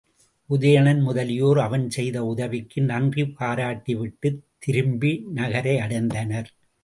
உதயணன் முதலியோர் அவன் செய்த உதவிக்கு நன்றி பாராட்டிவிட்டுத் திரும்பி நகரடைந்தனர்.